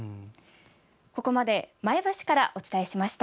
ここまで前橋からお伝えしました。